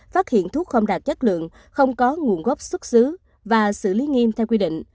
phát hiện thuốc không đạt chất lượng không có nguồn gốc xuất xứ và xử lý nghiêm theo quy định